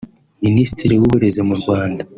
Minisitiri w’Uburezi mu Rwanda